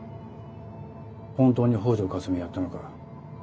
本当に北條かすみをやったのか？